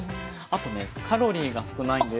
あとねカロリーが少ないんです。